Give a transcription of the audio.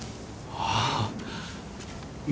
ああ。